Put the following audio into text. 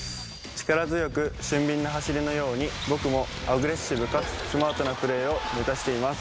力強く俊敏な走りのように僕もアグレッシブかつスマートなプレーを目指しています。